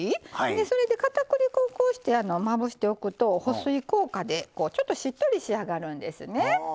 それで、かたくり粉をまぶしておくと保水効果で、ちょっとしっとり仕上がるんですね。